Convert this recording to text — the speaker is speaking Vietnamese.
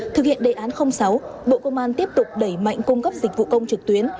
thực hiện đề án sáu bộ công an tiếp tục đẩy mạnh cung cấp dịch vụ công trực tuyến